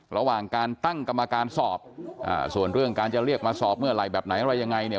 ระหว่างการตั้งกรรมการสอบส่วนเรื่องการจะเรียกมาสอบเมื่อไหร่แบบไหนอะไรยังไงเนี่ย